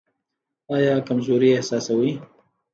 ایا کمزوري احساسوئ؟